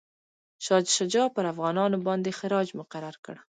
شاه شجاع پر افغانانو باندي خراج مقرر کړ.